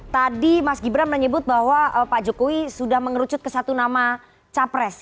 tadi mas gibran menyebut bahwa pak jokowi sudah mengerucut ke satu nama capres